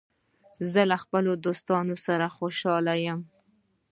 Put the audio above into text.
زه له خپلو دوستانو سره خوشحال یم.